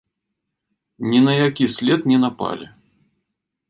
Ні на які след не напалі.